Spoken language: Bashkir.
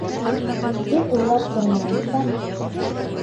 Һин уйлап тормайынса...